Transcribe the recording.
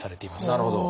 なるほど。